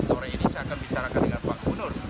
sore ini saya akan bicarakan dengan pak gubernur